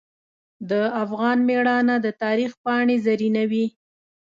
د افغان میړانه د تاریخ پاڼې زرینوي.